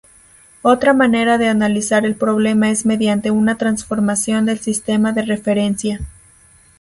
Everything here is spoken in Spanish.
Otra manera de analizar el problema es mediante una transformación del sistema de referencia.